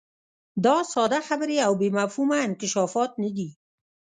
دا ساده خبرې او بې مفهومه انکشافات نه دي.